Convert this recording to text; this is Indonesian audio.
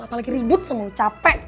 apalagi ribut semua capek